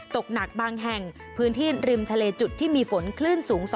ตกหนักบางแห่งพื้นที่ริมทะเลจุดที่มีฝนคลื่นสูง